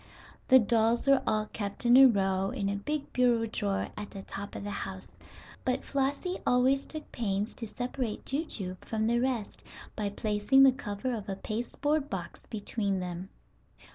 The dolls were all kept in a row in a big bureau drawer at the top of the house, but Flossie always took pains to separate Jujube from the rest by placing the cover of a pasteboard box between them.